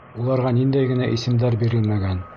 Уларға ниндәй генә исемдәр бирелмәгән!